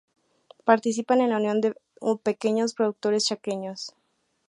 Participan, en la "Unión de Pequeños Productores Chaqueños".